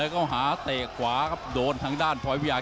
ก็หาเตะขวาครับโดนทางด้านพอยวซี่